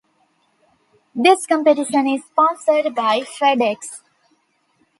This competition is sponsored by FedEx.